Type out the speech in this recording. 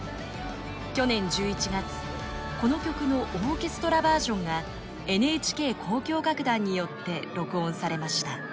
去年１１月この曲のオーケストラバージョンがＮＨＫ交響楽団によって録音されました。